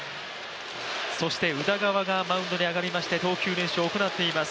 そして宇田川がマウンドに上がりまして、投球練習を行っています。